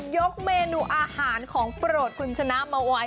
ยกเมนูอาหารของโปรดคุณชนะมาไว้